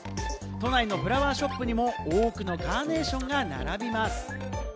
都内のフラワーショップにも多くのカーネーションが並びます。